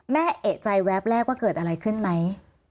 แม่เอกใจแวบแรกว่าเกิดอะไรขึ้นไหม